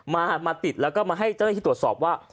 มาติดแล้วก็มาให้เจ้าหน้าที่ตรวจสอบว่า